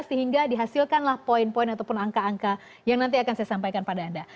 sehingga dihasilkanlah poin poin ataupun angka angka yang nanti akan saya sampaikan pada anda